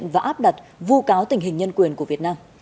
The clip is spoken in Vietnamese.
và áp đặt vụ cáo tình hình nhân quyền của việt nam